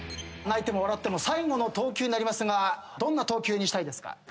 泣いても笑っても最後の投球になりますがどんな投球にしたいですか？